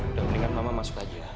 udah mendingan mama masuk aja